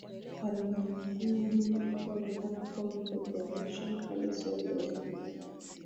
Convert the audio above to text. kwa lugha nyingine hii ilikuwa ni non combat operation Kama sehemu ya